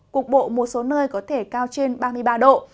cục bộ một số nơi có thể cao trên ba mươi ba độ